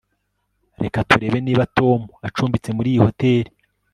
Reka turebe niba Tom acumbitse muri iyi hoteri